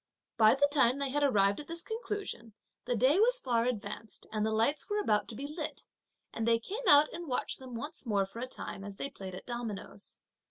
By the time they had arrived at this conclusion, the day was far advanced, and the lights were about to be lit; and they came out and watched them once more for a time as they played at dominoes.